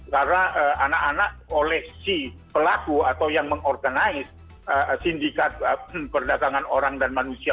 karena anak anak oleh si pelaku atau yang mengorganis sindikat perdagangan orang dan manusia